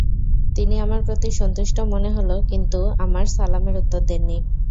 তিনি আমার প্রতি সন্তুষ্ট মনে হল কিন্তু আমার সালামের উত্তর দেননি।